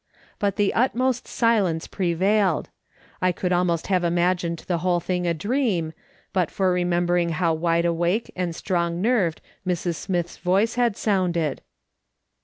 But the utmost silence prevailed. I could almost have imagined the whole thing a dream, but for remembering how wide awake and strong nerved Mrs. Smith's voice had sounded.